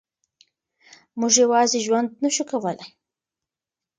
موږ یوازې ژوند نه شو کولای.